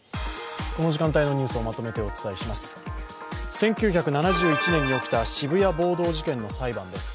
１９７１年に起きた渋谷暴動事件の裁判です。